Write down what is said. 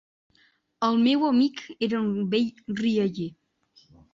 El meu amic era un vell rialler.